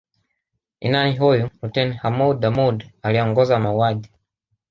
Ni nani huyu Luteni Hamoud Hamoud aliyeongoza mauaji